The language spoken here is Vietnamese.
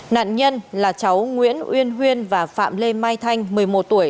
nạn nhân là cháu nguyễn uyên huyên và phạm lê mai thanh một mươi một tuổi